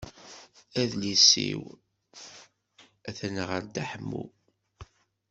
Adlis-iw atan ɣer Dda Ḥemmu.